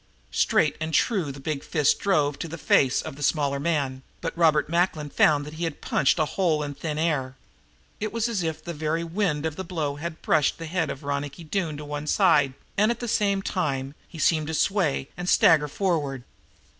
Straight and true the big fist drove into the face of the smaller man, but Robert Macklin found that he had punched a hole in thin air. It was as if the very wind of the blow had brushed the head of Ronicky Doone to one side, and at the same time he seemed to sway and stagger forward.